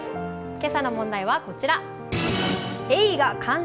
今朝の問題はこちら。